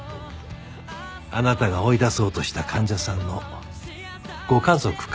あなたが追い出そうとした患者さんのご家族からです。